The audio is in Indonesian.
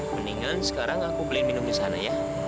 mendingan sekarang aku beliin minum disana ya